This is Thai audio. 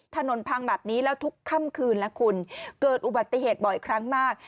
ถนนพังแบบนี้แล้วทุกค่ำคืนแล้วคุณเกิดอุบัติเหตุบ่อยครั้งมาก